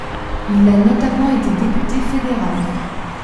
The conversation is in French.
Il a notamment été député fédéral.